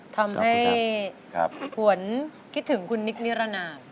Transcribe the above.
ทำให้ผวนคิดถึงคุณนิคนิระนาม